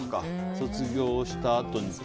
卒業したあとって。